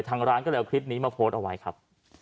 ทางร้านก็เลยเอาคลิปนี้มาโพสต์เอาไว้ครับ